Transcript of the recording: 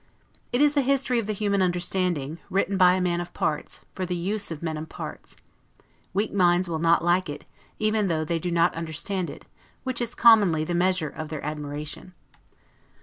It is the history of the human understanding, written by a man of parts, for the use of men of parts. Weak minds will not like it, even though they do not understand it; which is commonly the measure of their admiration.